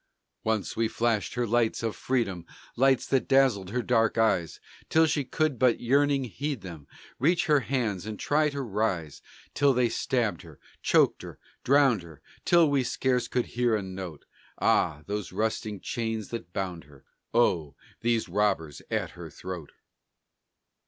Once we flashed her lights of freedom, Lights that dazzled her dark eyes Till she could but yearning heed them, Reach her hands and try to rise. Then they stabbed her, choked her, drowned her Till we scarce could hear a note. Ah! these rusting chains that bound her! Oh! these robbers at her throat!